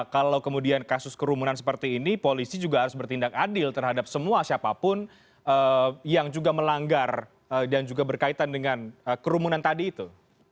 kalau kemudian kasus kerumunan seperti ini polisi juga harus bertindak adil terhadap semua siapapun yang juga melanggar dan juga berkaitan dengan kerumunan tadi itu